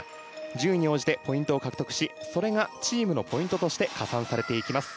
順位に応じてポイントを獲得しそれがチームのポイントとして加算されていきます。